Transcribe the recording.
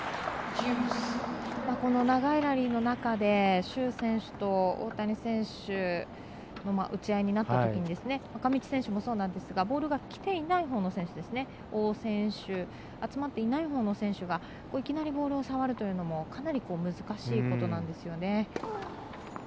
この長いラリーの中で朱選手と大谷選手の打ち合いになったとき上地選手もそうなんですがボールがきていないほうの選手王選手集まっていないほうの選手がいきなりボールを触るというのもかなり難しいことなんですよね。